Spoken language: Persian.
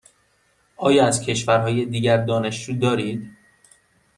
آیا از کشورهای دیگر دانشجو دارید؟